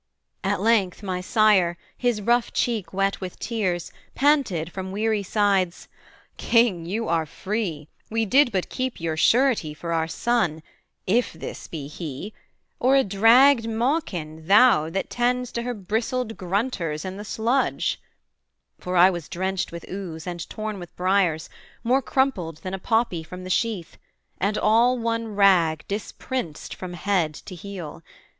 At length my Sire, his rough cheek wet with tears, Panted from weary sides 'King, you are free! We did but keep you surety for our son, If this be he, or a dragged mawkin, thou, That tends to her bristled grunters in the sludge:' For I was drenched with ooze, and torn with briers, More crumpled than a poppy from the sheath, And all one rag, disprinced from head to heel.